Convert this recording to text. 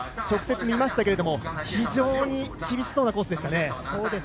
直接見ましたけれども非常に厳しそうなコースでしたね。